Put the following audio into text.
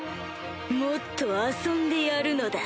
もっと遊んでやるのだ。